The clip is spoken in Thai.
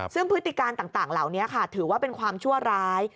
ซึ่งพฤติการต่างเหล่านี้ค่ะถือว่าเป็นความชั่วร้าย